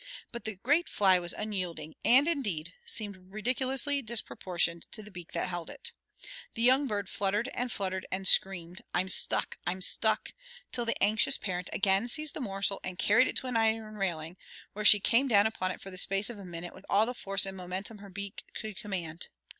But the great fly was unyielding, and, indeed, seemed ridiculously disproportioned to the beak that held it. The young bird fluttered and fluttered and screamed, "I'm stuck, I'm stuck," till the anxious parent again seized the morsel and carried it to an iron railing, where she came down upon it for the space of a minute with all the force and momentum her beak could command.